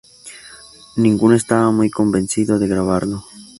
Ninguno estaba muy convencido de grabarlo.